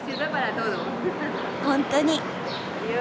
本当に。